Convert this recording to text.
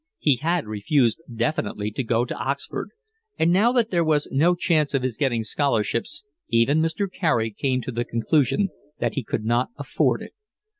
He had refused definitely to go to Oxford, and now that there was no chance of his getting scholarships even Mr. Carey came to the conclusion that he could not afford it.